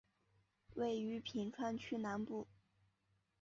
位于品川区南部。